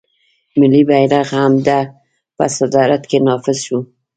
ملي بیرغ هم د ده په صدارت کې نافذ شو.